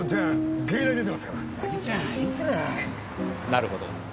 なるほど。